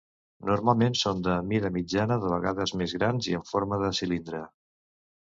Normalment són de mida mitjana, de vegades més grans, i amb forma de cilindre.